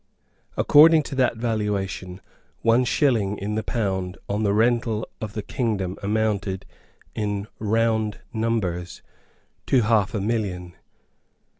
According to that valuation, one shilling in the pound on the rental of the kingdom amounted, in round numbers, to half a million.